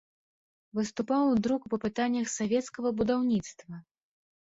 Выступаў у друку па пытаннях савецкага будаўніцтва.